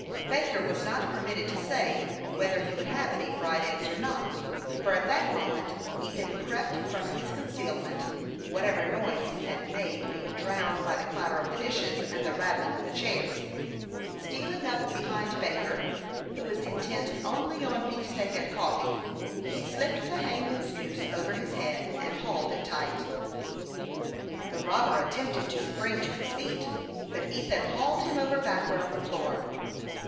Baker was not permitted to say whether he would have any fried eggs or not, for at that moment Ethan crept from his concealment, whatever noise he made being drowned by the clatter of the dishes and the rattling of the chairs. Stealing up behind Baker, who was intent only on beefsteak and coffee, he slipped the hangman's noose over his head, and hauled it tight. The robber attempted to spring to his feet, but Ethan hauled him over backwards on the floor.